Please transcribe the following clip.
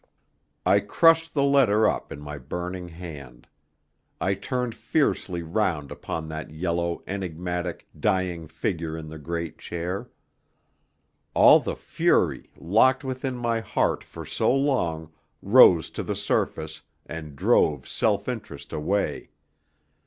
I crushed the letter up in my burning hand. I turned fiercely round upon that yellow, enigmatic, dying figure in the great chair. All the fury, locked within my heart for so long, rose to the surface, and drove self interest away.